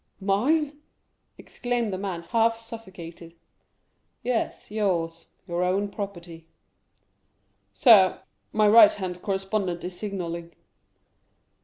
"Mine?" exclaimed the man, half suffocated. "Yes; yours—your own property." "Sir, my right hand correspondent is signalling."